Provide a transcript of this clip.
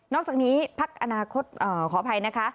อกจากนี้พักอนาคตขออภัยนะคะ